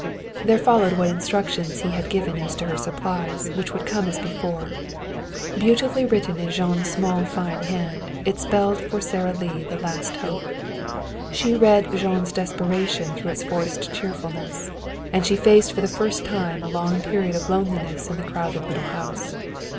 There followed what instructions he had given as to her supplies, which would come as before. Beautifully written in Jean's small fine hand, it spelled for Sara Lee the last hope. She read Jean's desperation through its forced cheerfulness. And she faced for the first time a long period of loneliness in the crowded little house.